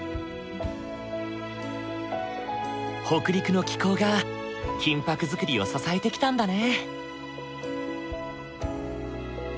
北陸の気候が金ぱく作りを支えてきたんだね。